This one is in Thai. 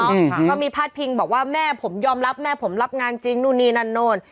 ก็มีพาดพิงบอกว่าแม่ผมยอมรับแม่ผมรับงานจริงนู่นนี่นั่นนู่น